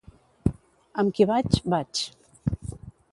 Amb qui vaig, vaig.